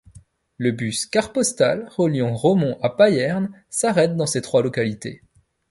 Le bus CarPostal reliant Romont à Payerne s'arrête dans ces trois localités.